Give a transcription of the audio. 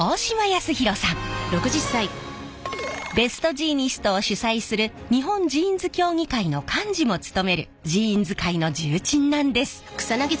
ベストジーニストを主催する日本ジーンズ協議会の幹事も務めるジーンズ界の重鎮なんです！